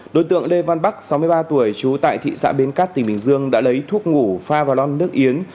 đối tượng lê văn bắc sáu mươi ba tuổi trú tại thị xã bến cát tỉnh bình dương đã lấy thuốc ngủ pha và lon nước yến